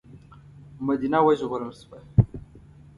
مدینه وژغورل شوه.